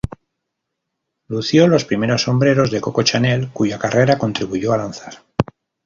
Lució los primeros sombreros de Coco Chanel, cuya carrera contribuyó a lanzar.